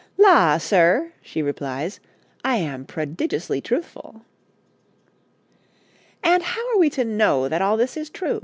'La, sir,' she replies, 'I am prodigiously truthful.' 'And how are we to know that all this is true?'